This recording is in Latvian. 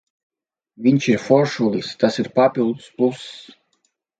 Viņš ir foršulis, tas ir papildu pluss.